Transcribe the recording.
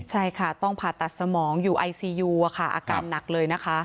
ใช่ค่ะต้องผ่าตัดสมองอยู่ไอซียูอาการหนักเลยนะคะ